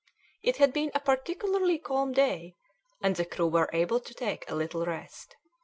It had been a particularly calm day, and the crew were able to take a little rest.